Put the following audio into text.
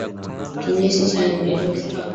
kinyesi chenye virusi